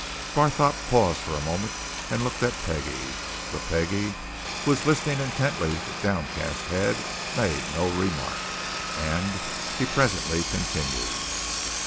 Barthorpe paused for a moment and looked at Peggie. But Peggie, who was listening intently with downcast head, made no remark, and he presently continued.